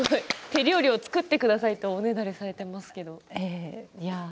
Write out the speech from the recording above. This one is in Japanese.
手料理を作ってくださいとおねだりされていますけれど。